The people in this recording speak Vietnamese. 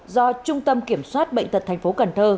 do trung tâm kiểm soát bệnh tật thành phố cần thơ